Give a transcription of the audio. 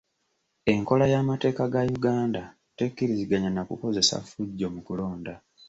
Enkola y'amateeka ga Uganda tekkiriziganya na kukozesa ffujjo mu kulonda.